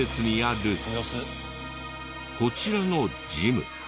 こちらのジム。